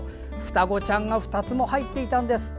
双子ちゃんが２つも入ってました。